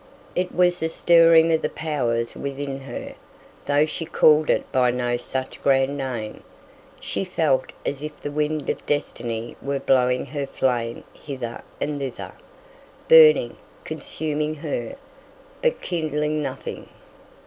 It was the stirring of the powers within her, though she called it by no such grand name. She felt as if the wind of destiny were blowing her flame hither and thither, burning, consuming her, but kindling nothing.